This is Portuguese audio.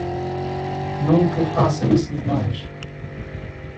Nunca faça isso demais.